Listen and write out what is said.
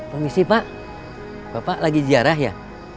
permisi pak bapak lagi ziarah ya